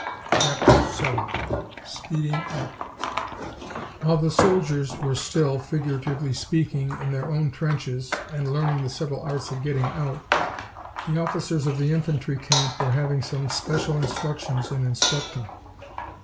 CHAPTER VII SPEEDING UP While the soldiers were still, figuratively speaking, in their own trenches and learning the several arts of getting out, the officers of the infantry camp were having some special instructions in instructing.